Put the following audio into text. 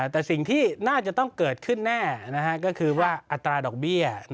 แต่สิ่งที่น่าจะต้องเกิดขึ้นแน่ก็คือว่าอัตราดอกเบี้ย